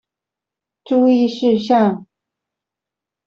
注意事項